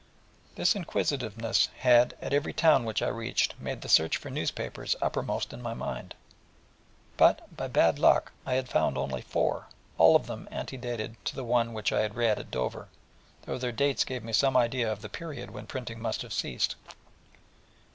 This inquisitiveness had, at every town which I reached, made the search for newspapers uppermost in my mind; but, by bad luck, I had found only four, all of them ante dated to the one which I had read at Dover, though their dates gave me some idea of the period when printing must have ceased, viz.